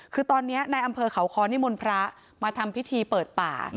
คือตอนนี้ในอำเภอเขาคอนิมนต์พระมาทำพิธีเปิดป่า